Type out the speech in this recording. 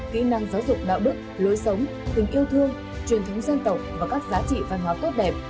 kỹ năng giáo dục đạo đức lối sống tình yêu thương truyền thống dân tộc và các giá trị văn hóa tốt đẹp